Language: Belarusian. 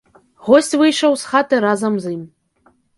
Госць выйшаў з хаты разам з ім.